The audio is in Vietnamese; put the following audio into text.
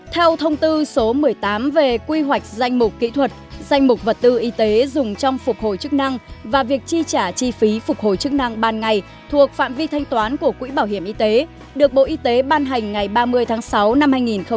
theo thông tư số một mươi tám về quy hoạch danh mục kỹ thuật danh mục vật tư y tế dùng trong phục hồi chức năng và việc chi trả chi phí phục hồi chức năng ban ngày thuộc phạm vi thanh toán của quỹ bảo hiểm y tế được bộ y tế ban hành ngày ba mươi tháng sáu năm hai nghìn một mươi bảy